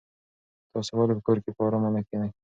تاسو ولې په کور کې په ارامه نه کېنئ؟